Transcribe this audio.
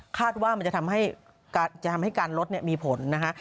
คาดว่ามันจะทำให้การจะทำให้การลดเนี้ยมีผลนะฮะ